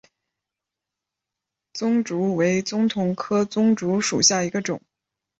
棕竹为棕榈科棕竹属下的一个种。